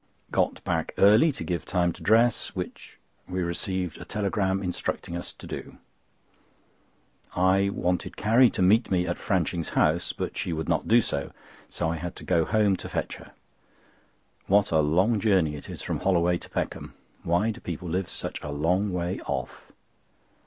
Got back early to give time to dress, which we received a telegram instructing us to do. I wanted Carrie to meet me at Franching's house; but she would not do so, so I had to go home to fetch her. What a long journey it is from Holloway to Peckham! Why do people live such a long way off?